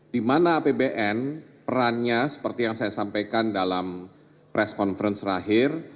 di mana apbn perannya seperti yang saya sampaikan dalam press conference terakhir